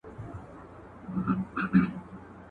• د مړو کله په قيامت رضا نه وه.